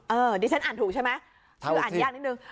เออนี่ฉันอ่านถูกใช่ไหมอ่านยากนิดนึง